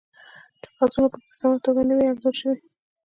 چې کاغذونه پکې په سمه توګه نه وي انځور شوي